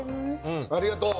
ありがとう。